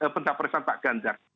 pentapresan pak ganjar